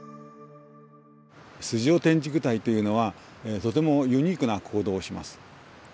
スジオテンジクダイというのはとてもユニークな行動をします。